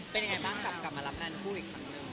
เป็นยังไงบ้างกลับมารับงานคู่อีกครั้งหนึ่ง